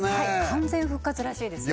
完全復活らしいですよ